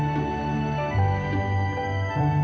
hei dokter kakak